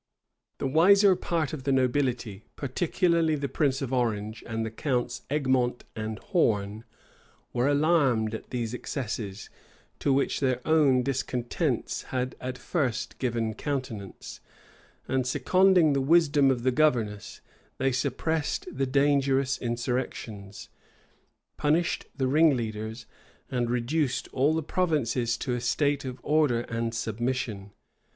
The wiser part of the nobility, particularly the prince of Orange, and the counts Egmont and Horn, were alarmed at these excesses, to which their own discontents had at first given countenance; and seconding the wisdom of the governess, they suppressed the dangerous insurrections, punished the ringleaders, and reduced all the provinces to a state of order and submission.